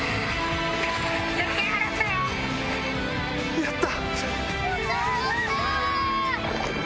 やった！